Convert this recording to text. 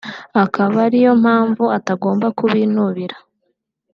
akaba ari yo mpamvu atagomba kubinubira